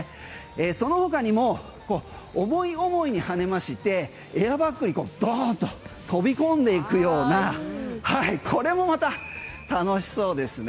その他にも思い思いに跳ねましてエアバッグにドーンと飛び込んでいくようなこれもまた楽しそうですね。